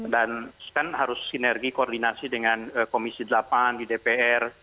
dan kan harus sinergi koordinasi dengan komisi delapan di dpr